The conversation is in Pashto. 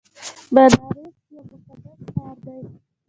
بنارس یو مقدس ښار دی.